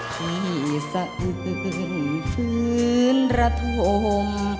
ที่สะอึดฟื้นระทม